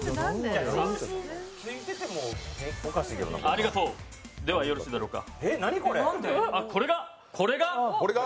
ありがとう、ではよろしいだろうか